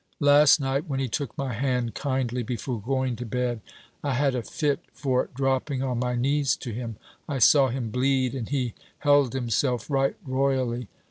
Last night, when he took my hand kindly before going to bed I had a fit for dropping on my knees to him. I saw him bleed, and he held himself right royally.